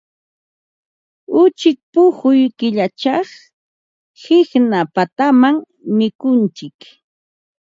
Uchik puquy killachaq qiqna papatam mikuntsik.